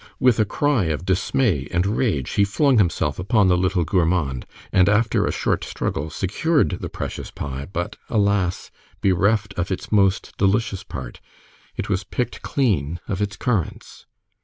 With a cry of dismay and rage he flung himself upon the little gourmand, and after a short struggle, secured the precious pie; but alas, bereft of its most delicious part it was picked clean of its currants.